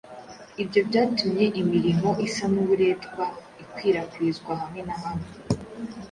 Ibyo byatumye imirimo isa n'uburetwa ikwirakwizwa hamwe na hamwe